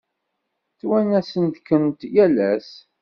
Ttwanasen-kent yal ass.